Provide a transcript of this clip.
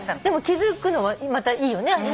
でも気付くのはまたいいよね。